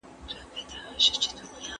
په تدبیر یې تقدیر وشړه له دره